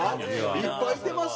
いっぱいいてますよ。